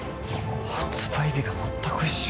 発売日が全く一緒？